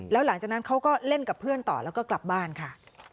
แล้วหลังจากนั้นเขาก็เล่นกับเพื่อนต่อแล้วก็กลับบ้านค่ะ